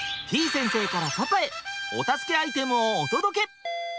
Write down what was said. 先生からパパへお助けアイテムをお届け！